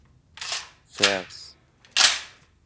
فرث